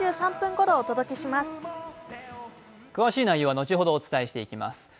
詳しい内容は後ほどお伝えしていきます。